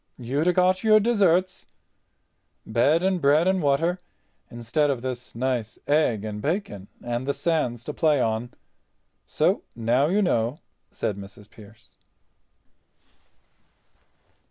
"You'd a got your desserts—bed and bread and water, instead of this nice egg and bacon and the sands to play on. So now you know," said Mrs. Pearce.